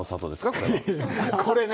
ここれね。